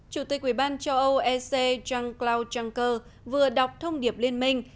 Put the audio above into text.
chủ tịch ủy ban châu âu e c jean claude juncker vừa đọc thông điệp liên minh